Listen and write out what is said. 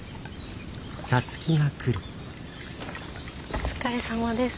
お疲れさまです。